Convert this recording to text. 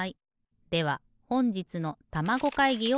ではほんじつのたまご会議をはじめる。